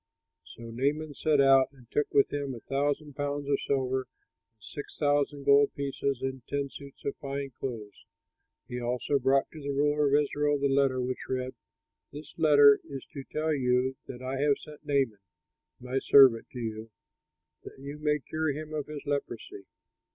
So Naaman set out and took with him a thousand pounds of silver and six thousand gold pieces and ten suits of fine clothes. He also brought to the ruler of Israel the letter, which read: "This letter is to tell you that I have sent Naaman, my servant, to you, that you may cure him of his leprosy."